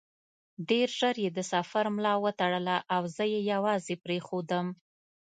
ډېر ژر یې د سفر ملا وتړله او زه یې یوازې پرېښودم.